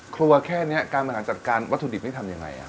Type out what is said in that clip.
ครัวแค่เนี่ยการประหลาดจัดการวัตถุดิบนี่ทำยังไงอะ